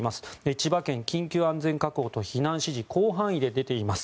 千葉県緊急安全確保と避難指示広範囲で出ています。